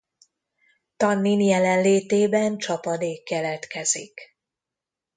Tannin jelenlétében csapadék keletkezik.